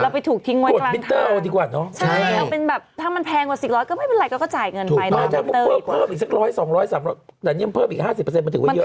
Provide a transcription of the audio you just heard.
มันก็อันตรายเราไปถูกทิ้งไว้